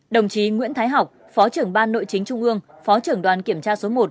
đồng chí nguyễn thái học phó trưởng ban nội chính trung ương phó trưởng đoàn kiểm tra số một